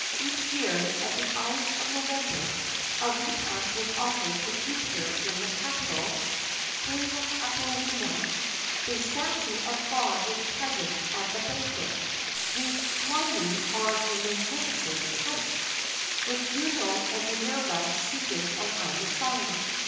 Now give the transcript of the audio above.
Each year, at the ides of November, a repast was offered to Jupiter in the Capitol (cœna Capitolina). The statue of the god was present at the banquet, reclining on a magnificent couch, with Juno and Minerva seated on either side.